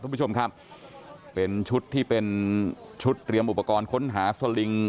คุณผู้ชมครับเป็นชุดที่เป็นชุดเตรียมอุปกรณ์ค้นหาสลิง